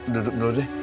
duduk dulu deh